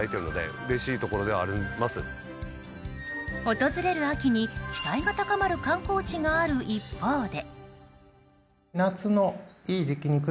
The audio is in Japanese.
訪れる秋に期待が高まる観光地がある一方で。